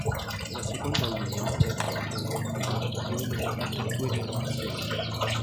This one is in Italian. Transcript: La seconda linea, detta "benedettina", diede luogo ad altre due diramazioni.